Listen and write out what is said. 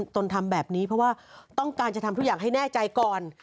ตนทำแบบนี้เพราะว่าต้องการจะทำทุกอย่างให้แน่ใจก่อน